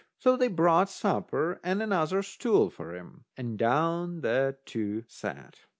So they brought supper, and another stool for him, and down the two sat.